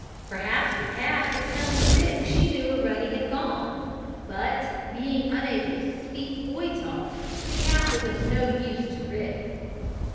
Perhaps the cat was telling Rick she knew where Ruddy had gone, but, being unable to speak boy talk, the cat was of no use to Rick.